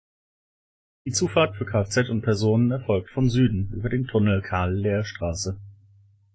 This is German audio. Die Zufahrt für Kfz und Personen erfolgt von Süden über den Tunnel Karl-Lehr-Straße.